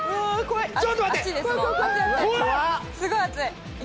すごい熱い。